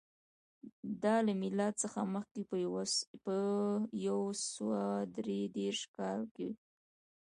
دا له میلاد څخه مخکې په یو سوه درې دېرش کال کې و